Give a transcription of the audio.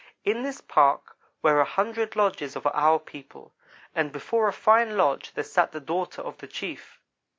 In this park were a hundred lodges of our people, and before a fine lodge there sat the daughter of the chief.